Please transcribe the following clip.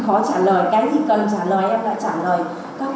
không em thấy em khó trả lời cái gì cần trả lời em đã trả lời